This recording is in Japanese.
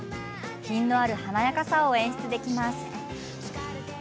品のある華やかさを演出できます。